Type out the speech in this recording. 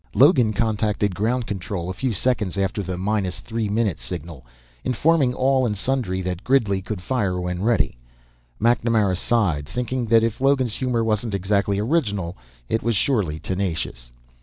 Logan contacted Ground Control a few seconds after the minus three minute signal, informing all and sundry that Gridley could fire when ready. MacNamara sighed, thinking that if Logan's humor wasn't exactly original, it was surely tenacious.